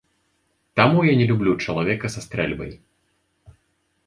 Таму я не люблю чалавека са стрэльбай.